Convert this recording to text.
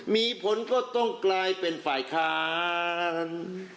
มีผลก็ต้องกลายเป็นฝ่ายค้าน